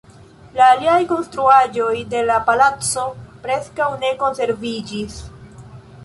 La aliaj konstruaĵoj de la palaco preskaŭ ne konserviĝis.